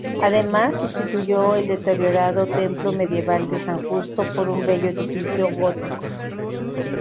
Además sustituyó el deteriorado templo medieval de San Justo por un bello edificio gótico.